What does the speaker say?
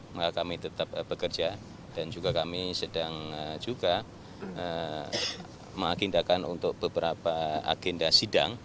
maka kami tetap bekerja dan juga kami sedang juga mengagendakan untuk beberapa agenda sidang